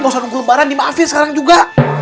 mau selalu nunggu lembaran dimaafin sekarang juga